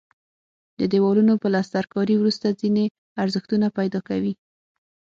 د دیوالونو پلستر کاري وروسته ځینې ارزښتونه پیدا کوي.